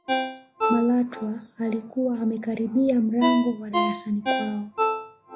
malatwa alikuwa amekaribia mlango wa darasani kwao